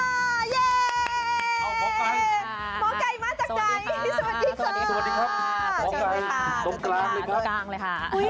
สวัสดีค่ะตรงกลางเลยค่ะ